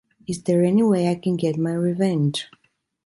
Is there any way i can get my revenge?